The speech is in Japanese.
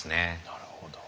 なるほど。